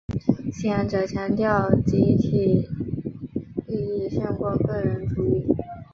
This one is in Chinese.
信仰者强调集体利益胜过个人主义。